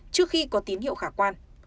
trước khi có tín hiệu khả quan